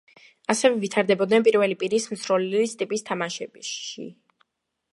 ასევე ვითარდებოდნენ პირველი პირის მსროლელის ტიპის თამაშები.